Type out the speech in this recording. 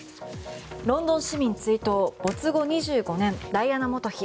ロンドン市民追悼没後２５年ダイアナ元妃。